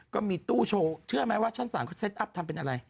ก็มีตู้โชว์เชื่อไหมว่าชั้นศาลเขาเซ็ตอัพทำเป็นอะไร